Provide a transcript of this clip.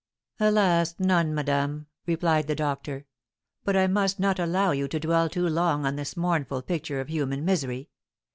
"Alas, none, madame!" replied the doctor. "But I must not allow you to dwell too long on this mournful picture of human misery.